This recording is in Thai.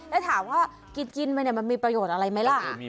ถ้าถามว่ากินนะมันมีประโยชน์อะไรไหมล่ะ